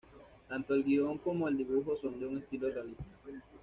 Tanto el guion como el dibujo son de un estilo realista.